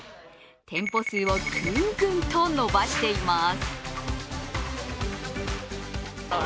店舗数をぐんぐんと伸ばしています。